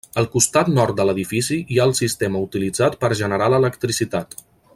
Al costat nord de l'edifici hi ha el sistema utilitzat per generar l'electricitat.